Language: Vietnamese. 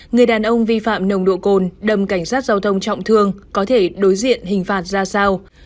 người đàn ông vi phạm nồng độ cồn đầm cảnh sát giao thông trọng thương có thể đối diện hình phạt ra sao